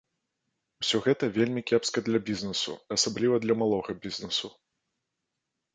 Усё гэта вельмі кепска для бізнэсу, асабліва для малога бізнэсу.